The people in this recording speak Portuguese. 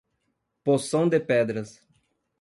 Poção de Pedras